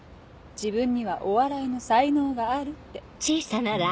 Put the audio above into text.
自分にはお笑いの才能があるって。